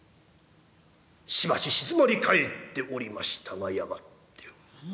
しばし静まり返っておりましたがやがてうわっ！